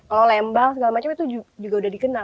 kalau lembang segala macam itu juga udah dikenal